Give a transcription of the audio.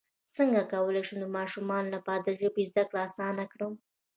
څنګه کولی شم د ماشومانو لپاره د ژبې زدکړه اسانه کړم